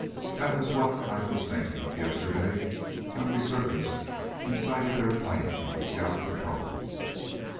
That was what I was thinking of yesterday when we surfaced and sighted their plane on scout patrol."